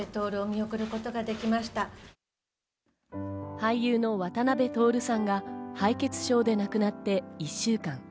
俳優の渡辺徹さんが敗血症で亡くなって１週間。